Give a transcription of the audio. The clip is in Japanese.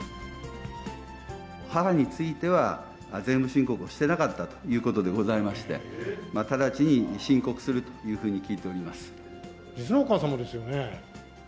母については、税務申告をしてなかったということでございまして、直ちに申告す実のお母様ですよね。